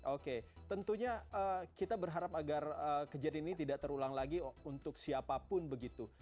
oke tentunya kita berharap agar kejadian ini tidak terulang lagi untuk siapapun begitu